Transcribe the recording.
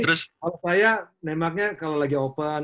alasannya nembaknya kalau lagi open